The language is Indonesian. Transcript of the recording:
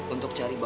untuk cari bapak